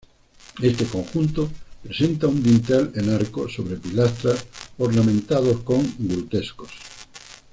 Este conjunto presenta un dintel en arco, sobre pilastras, ornamentado con grutescos.